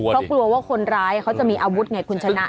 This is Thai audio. เพราะกลัวว่าคนร้ายเขาจะมีอาวุธไงคุณชนะ